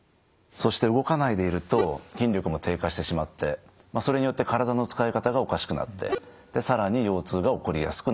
そして動かないでいると筋力も低下してしまってそれによって体の使い方がおかしくなって更に腰痛が起こりやすくなっていく。